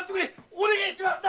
お願ぇしますだ。